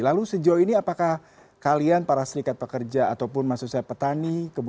lalu sejauh ini apakah kalian para serikat pekerja ataupun maksud saya petani